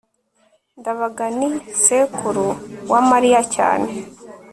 ndabaga ni sekuru wa mariya cyane